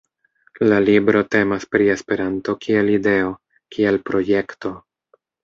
La libro temas pri Esperanto kiel ideo, kiel projekto.